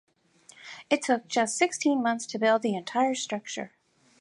It took just sixteen months to build the entire structure.